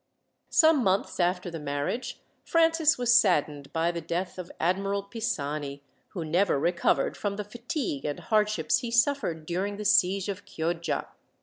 Some months after his marriage, Francis was saddened by the death of Admiral Pisani, who never recovered from the fatigue and hardships he suffered during the siege of Chioggia.